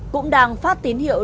cũng đang phát tín hiệu